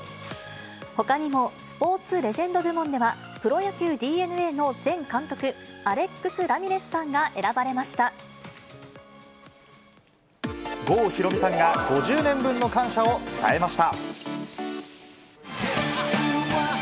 ほかにもスポーツレジェンド部門では、プロ野球・ＤｅＮＡの前監督、アレックス・ラミレスさんが選ば郷ひろみさんが５０年分の感謝を伝えました。